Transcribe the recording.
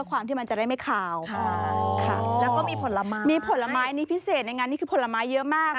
คากบทอดกระเทียมพริกแห้งสมุนไพรค่ะ